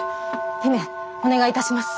姫お願いいたします。